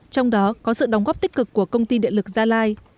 trong đó có sự đóng góp tích cực của công ty điện lực gia lai